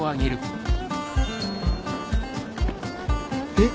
えっ！